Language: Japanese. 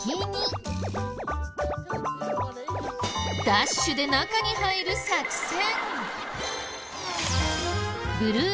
ダッシュで中に入る作戦。